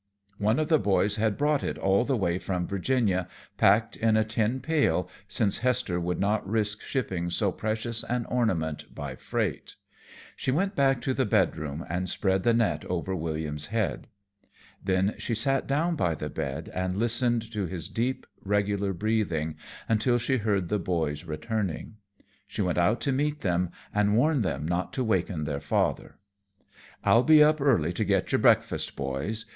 One of the boys had brought it all the way from Virginia, packed in a tin pail, since Hester would not risk shipping so precious an ornament by freight. She went back to the bed room and spread the net over William's head. Then she sat down by the bed and listened to his deep, regular breathing until she heard the boys returning. She went out to meet them and warn them not to waken their father. "I'll be up early to get your breakfast, boys.